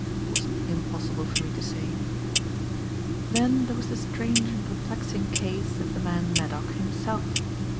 It was impossible for me to say. Then there was the strange and perplexing case of the man Maddock, himself.